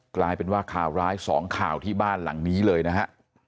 กลายเป็นว่าข่าวร้ายสองข่าวที่บ้านหลังนี้เลยนะฮะ